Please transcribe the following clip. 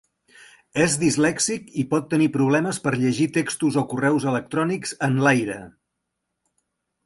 És dislèxic i pot tenir problemes per llegir textos o correus electrònics en l'aire.